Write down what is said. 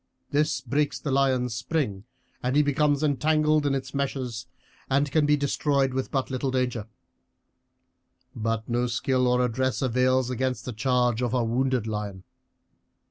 This breaks the lion's spring, he becomes entangled in its meshes, and can be destroyed with but little danger. But no skill or address avails against the charge of a wounded lion.